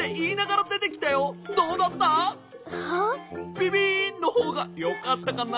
「びびん！」のほうがよかったかな？